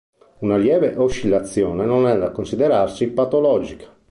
Una lieve oscillazione non è da considerarsi patologica.